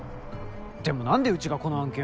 でもなんでうちがこの案件を？